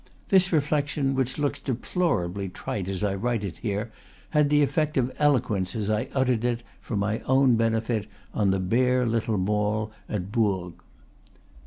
This reflection, which looks deplorably trite as I write it here, had the effect of eloquence as I uttered it, for my own benefit, on the bare little mall at Bourg.